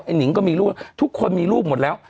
หนิงก็มีลูกทุกคนมีลูกหมดแล้ว